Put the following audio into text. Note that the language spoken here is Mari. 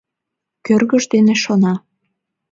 Кӧргыж дене шона: